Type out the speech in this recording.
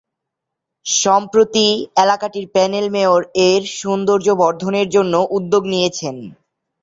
সম্প্রতি, এলাকাটির panel mayor এর সৌন্দর্য বর্ধনের জন্য উদ্যোগ নিয়েছেন।